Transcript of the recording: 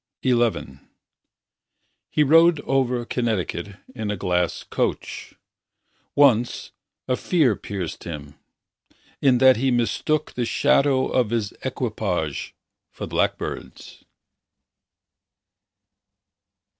XI He rode over Connecticut In a glass coach. Once, a fear pierced him, In that he mistook The shadow of his equipage for blackbirds.